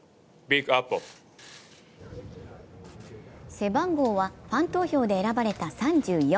背番号はファン投票で選ばれた３４。